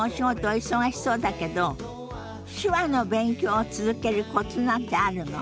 お忙しそうだけど手話の勉強を続けるコツなんてあるの？